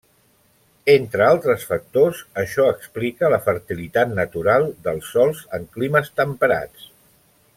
Entre altres factors això explica la fertilitat natural dels sòls en climes temperats.